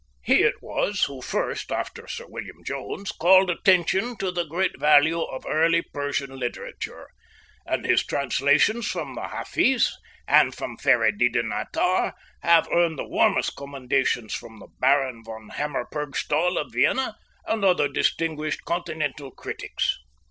He it was who first after Sir William Jones called attention to the great value of early Persian literature, and his translations from the Hafiz and from Ferideddin Atar have earned the warmest commendations from the Baron von Hammer Purgstall, of Vienna, and other distinguished Continental critics.